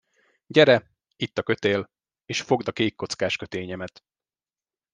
Gyere, itt a kötél, és fogd a kék kockás kötényemet.